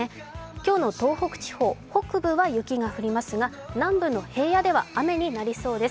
今日の東北地方、北部は雪が降りますが南部の平野では雨になりそうです。